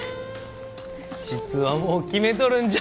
実はもう決めとるんじゃ。